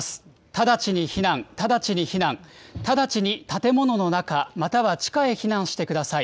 直ちに避難、直ちに避難、直ちに建物の中、または地下へ避難してください。